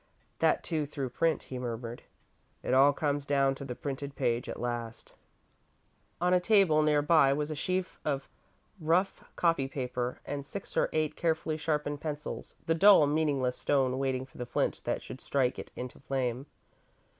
"That, too, through print," he murmured. "It all comes down to the printed page at last." On a table, near by, was a sheaf of rough copy paper, and six or eight carefully sharpened pencils the dull, meaningless stone waiting for the flint that should strike it into flame.